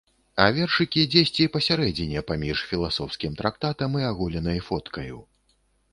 А вершыкі дзесьці пасярэдзіне паміж філасофскім трактатам і аголенай фоткаю.